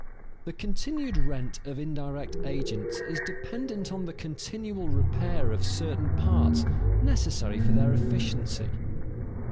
_The continued rent of indirect agents is dependent on the continual repair of certain parts necessary for their efficiency.